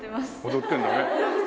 踊ってるんだね。